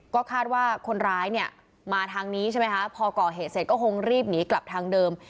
ก็คาดว่าคนร้ายเนี่ยมาทางนี้ใช่ไหมคะพอก่อเหตุเสร็จก็คงรีบหนีกลับทางเดิม